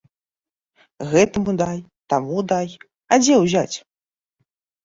Гэтаму дай, таму дай, а дзе ўзяць?